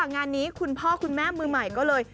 งานนี้คุณพ่อคุณแม่มือใหม่ก็เลย